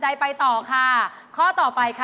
จะพอมาก่อนนะครับ